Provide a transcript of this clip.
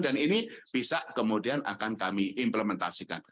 dan ini bisa kemudian akan kami implementasikan